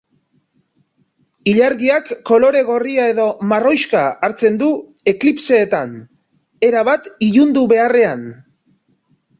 Ilargiak kolore gorria edo marroixka hartzen du eklipseetan, erabat ilundu beharrean.